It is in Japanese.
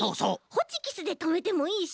ホチキスでとめてもいいし。